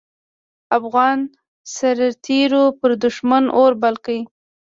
افغان سررتېرو پر دوښمن اور بل کړ.